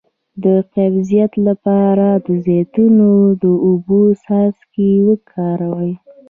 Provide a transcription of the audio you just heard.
د قبضیت لپاره د زیتون او اوبو څاڅکي وکاروئ